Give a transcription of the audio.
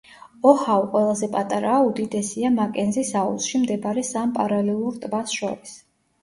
ოჰაუ ყველაზე პატარაა უდიდესია მაკენზის აუზში მდებარე სამ პარალელურ ტბას შორის.